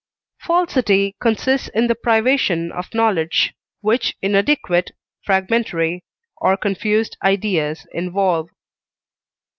Falsity consists in the privation of knowledge, which inadequate, fragmentary, or confused ideas involve.